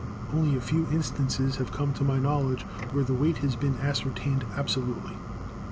Only a few instances have come to my knowledge where the weight has been ascertained absolutely.